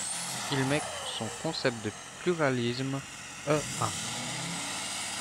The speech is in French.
Il met son concept de pluralisme e.a.